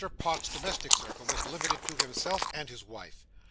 Pott's domestic circle was limited to himself and his wife.